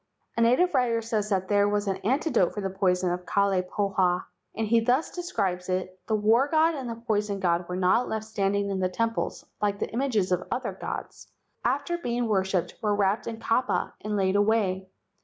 A native writer says there was an antidote for the poison from Kalai pahoa, and he thus de¬ scribes it: "The war god and the poison god were not left standing in the temples like the images of other gods, but after being worshipped were wrapped in kapa and laid away.